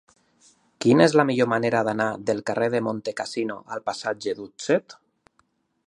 Quina és la millor manera d'anar del carrer de Montecassino al passatge d'Utset?